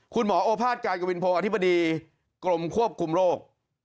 คุณหมอโอภาษกายกวินโผงอธิบดีกรมควบคุมโรค